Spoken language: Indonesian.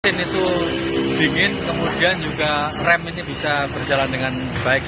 mesin itu dingin kemudian juga rem ini bisa berjalan dengan baik